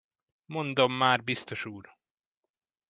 Mondom már, biztos úr!